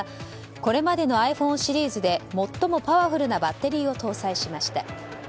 これまでのｉＰｈｏｎｅシリーズで最もパワフルなバッテリーを搭載しました。